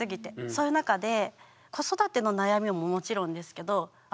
そういう中で子育ての悩みももちろんですけどあ